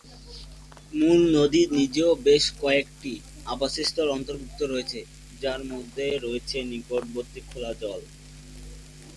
মূল নদী নিজেও বেশ কয়েকটি আবাসস্থল অন্তর্ভুক্ত রয়েছে, যার মধ্যে রয়েছে নিকটবর্তী খোলা জল।